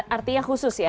artinya khusus ya